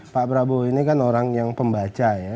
pak prabowo ini kan orang yang pembaca ya